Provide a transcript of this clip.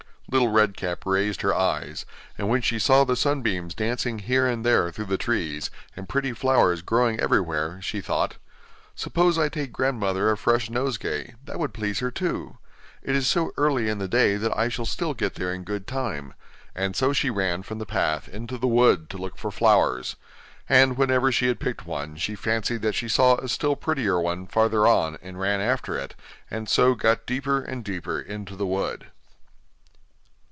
Little Red Cap raised her eyes, and when she saw the sunbeams dancing here and there through the trees, and pretty flowers growing everywhere, she thought: 'Suppose I take grandmother a fresh nosegay; that would please her too. It is so early in the day that I shall still get there in good time'; and so she ran from the path into the wood to look for flowers. And whenever she had picked one, she fancied that she saw a still prettier one farther on, and ran after it, and so got deeper and deeper into the wood.